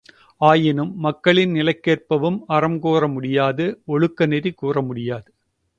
ஆயினும் மக்களின் நிலைக் கேற்பவும் அறம் கூறமுடியாது ஒழுக்க நெறி கூறமுடியாது.